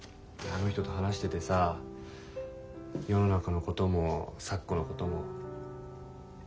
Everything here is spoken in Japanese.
あの人と話しててさ世の中のことも咲子のことも。